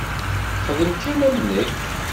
Xdem kan am nekk.